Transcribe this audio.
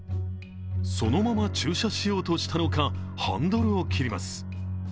そのまま駐車しようとしたのかハンドルを切ります。